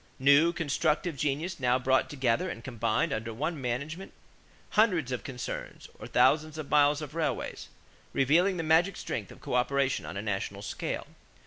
New constructive genius now brought together and combined under one management hundreds of concerns or thousands of miles of railways, revealing the magic strength of coöperation on a national scale.